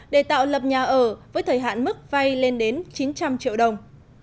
để tạo lập nhà ở với thời hạn mức vay lên đến chín trăm linh triệu đồng